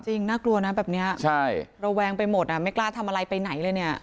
จริงน่ากลัวนะแบบนี้ระแวงไปหมดไม่กล้าทำอะไรไปไหนเลย